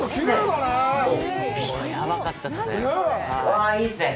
わあ、いいっすね。